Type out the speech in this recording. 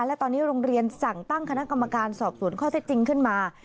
และตอนนี้โรงเรียนสั่งตั้งคณะกรรมการสอบสวนข้อเท็จจริงขึ้นมา